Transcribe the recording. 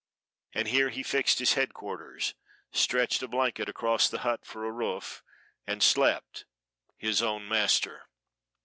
And here he fixed his headquarters, stretched a blanket across the hut for a roof, and slept his own master.